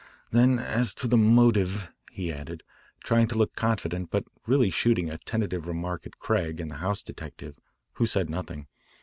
Then as to the motive," he added, trying to look confident but really shooting a tentative remark at Craig and the house detective, who said nothing.